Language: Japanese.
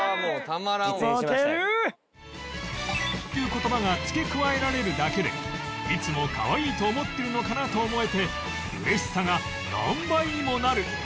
「一層」という言葉が付け加えられるだけでいつもかわいいと思ってるのかなと思えて嬉しさが何倍にもなる！